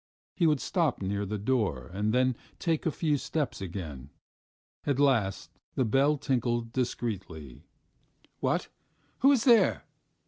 ... He would stop near the door and then take a few steps again. At last the bell tinkled discreetly. "What? Who is there?"